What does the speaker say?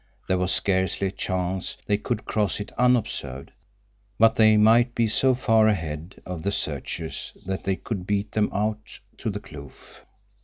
There was scarcely a chance they could cross it unobserved, but they might be so far ahead of the searchers that they could beat them out to the kloof.